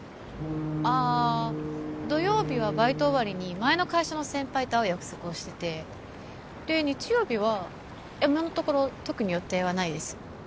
ああ土曜日はバイト終わりに前の会社の先輩と会う約束をしててで日曜日は今のところ特に予定はないです